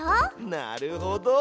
なるほど！